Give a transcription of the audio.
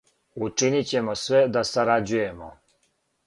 Учинићемо све да сарађујемо.